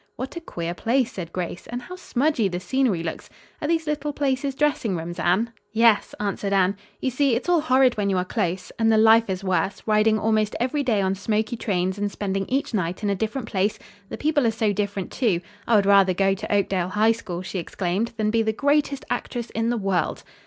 "What a queer place," said Grace, "and how smudgy the scenery looks! Are these little places dressing rooms, Anne?" "Yes," answered Anne. "You see, it's all horrid when you are close. And the life is worse riding almost every day on smoky trains and spending each night in a different place. The people are so different, too. I would rather go to Oakdale High School," she exclaimed, "than be the greatest actress in the world."